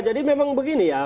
jadi memang begini ya